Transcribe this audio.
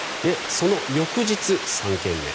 その翌日、３件目。